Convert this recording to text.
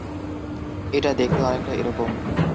এটা দেখতে অনেকটা এরকম।